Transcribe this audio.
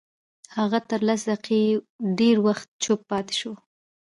هغه تر لس دقيقې ډېر وخت چوپ پاتې شو.